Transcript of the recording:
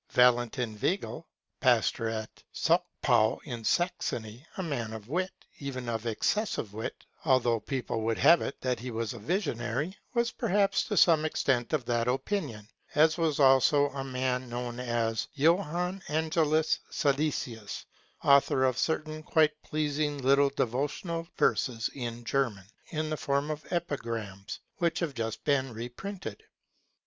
Valentin Weigel, Pastor of Zschopau in Saxony, a man of wit, even of excessive wit, although people would have it that he was a visionary, was perhaps to some extent of that opinion; as was also a man known as Johann Angelus Silesius, author of certain quite pleasing little devotional verses in German, in the form of epigrams, which have just been reprinted.